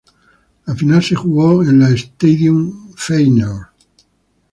La final se jugo en el Stadion Feyenoord.